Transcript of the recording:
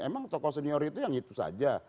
emang tokoh senior itu yang itu saja